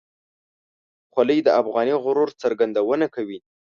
خولۍ د افغاني غرور څرګندونه کوي.